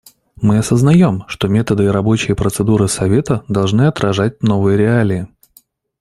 Мы осознаем, что методы и рабочие процедуры Совета должны отражать новые реалии.